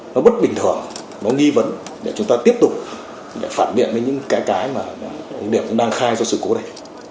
nó bất bình thường nó nghi vấn để chúng ta tiếp tục phản biện với những cái mà điểm đang khai do sự cố này